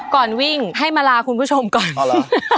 ก่อนวิ่งให้มาลาคุณผู้ชมก่อนอ๋อเหรอ